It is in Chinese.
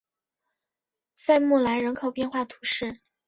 塞默莱人口变化图示